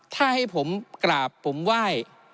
ถ้าให้ผมกราบผมไหว้